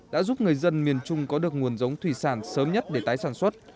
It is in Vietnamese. đã giúp người dân miền trung có được nguồn giống thủy sản sớm nhất để tái sản xuất